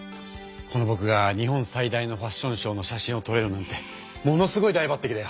このぼくがにほん最大のファッションショーの写真をとれるなんてものすごいだいばってきだよ！